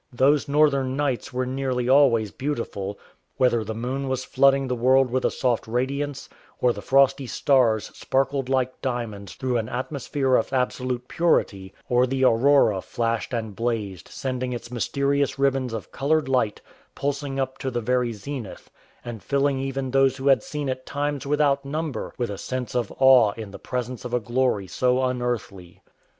Those northern nights were nearly always beautiful, whether the moon was flood ing the world with a soft radiance, or the frosty stars sparkled like diamonds through an atmosphere of absolute o 209 THE CREE SYLLABIC SYSTEM purity, or the aurora flashed and blazed, sending its mysterious ribbons of coloured light pulsing up to the very zenith and filling even those who had seen it times without number with a sense of awe in the presence of a glory so unearthly.